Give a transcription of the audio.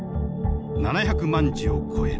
７００万字を超える。